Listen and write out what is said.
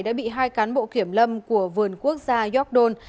đã bị hai cán bộ kiểm lâm của vườn quốc gia york don